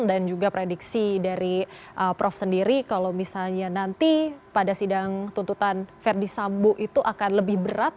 dan juga prediksi dari prof sendiri kalau misalnya nanti pada sidang tuntutan verdi sambu itu akan lebih berat